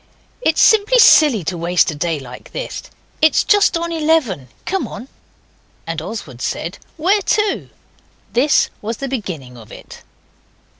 It's simply silly to waste a day like this. It's just on eleven. Come on!' And Oswald said, 'Where to?' This was the beginning of it.